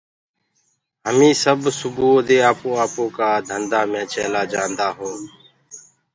همي سب سُبوُئو دي آپو آپو ڪآ ڌندآ مي چيلآ جانٚدآ هونٚ